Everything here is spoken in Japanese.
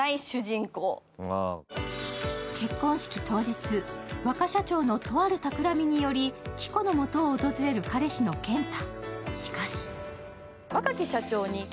結婚式当日、若社長のとある企みにより、キコのもとを訪れる彼氏の健太。